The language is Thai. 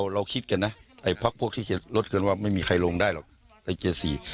เราคิดกันนะไอ้พักพวกที่เขียนรถเกินว่าไม่มีใครลงได้หรอกไอ้เกียร์๔